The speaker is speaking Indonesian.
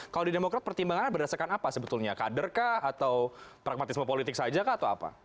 kalau di demokrat pertimbangan berdasarkan apa sebetulnya kader kah atau pragmatisme politik saja kah atau apa